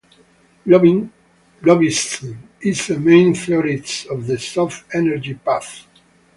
Lovins is a main theorist of the soft energy path.